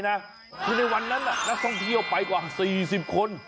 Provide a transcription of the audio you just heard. คือในวันนั้นนักท่องเที่ยวไปกว่า๔๐คน